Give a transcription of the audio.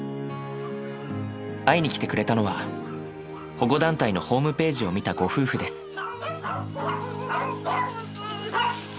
会いに来てくれたのは保護団体のホームページを見たご夫婦です。